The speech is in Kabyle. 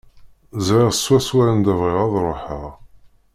Ẓriɣ swaswa anda bɣiɣ ad ruḥeɣ.